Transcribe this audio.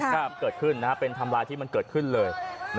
ก็เกิดขึ้นเป็นทำร้ายที่เกิดขึ้นเลย